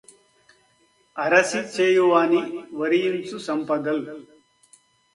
అరసి చేయువాని వరియించు సంపదల్